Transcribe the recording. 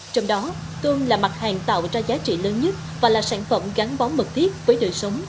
trong đó tuân là mặt hàng tạo ra giá trị lớn nhất và là sản phẩm gắn bóng mực thiết với đời sống